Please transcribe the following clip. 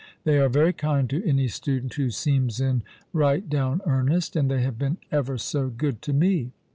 They are very kind to any student who seems in rightdown earnest; and they have been ever so good to me.